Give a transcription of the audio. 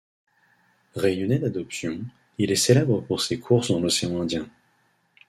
Réunionnais d'adoption, il est célèbre pour ses courses dans l'océan Indien.